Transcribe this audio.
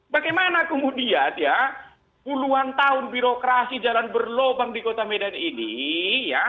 bagaimana kemudian ya puluhan tahun birokrasi jalan berlobang di kota medan ini ya